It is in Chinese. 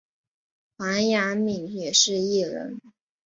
黄雅珉也是艺人。